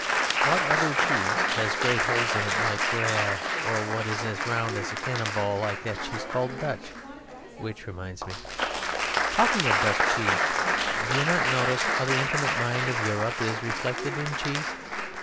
What other cheese has great holes in it like Gruyere, or what other is as round as a cannon ball like that cheese called Dutch? which reminds me: Talking of Dutch cheese. Do you not notice how the intimate mind of Europe is reflected in cheese?